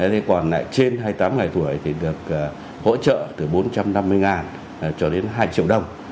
thế còn trên hai mươi tám ngày tuổi thì được hỗ trợ từ bốn trăm năm mươi cho đến hai triệu đồng